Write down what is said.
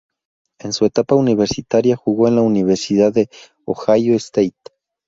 En su etapa universitaria jugó en la Universidad de Ohio State.